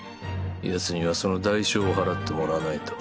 ヤツにはその代償を払ってもらわないと。